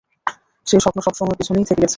সেই স্বপ্ন সবসময়ে পেছনেই থেকে গেছে।